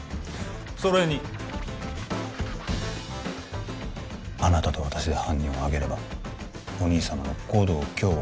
それにあなたと私で犯人をあげればお兄様の護道京吾